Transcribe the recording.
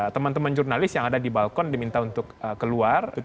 teman teman jurnalis yang ada di balkon diminta untuk keluar